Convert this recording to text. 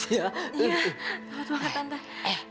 iya terlalu tua kak tante